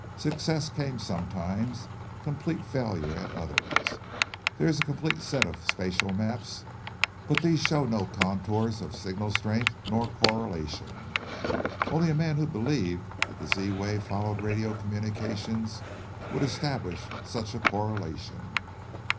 Success came sometimes, complete failure at others. There is a complete set of spacial maps, but these show no contours of signal strength nor correlation. "Only a man who believed that the Z wave followed radio communications would establish such a correlation."